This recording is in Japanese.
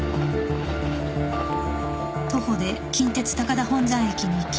徒歩で近鉄高田本山駅に行き。